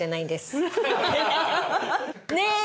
ねえ？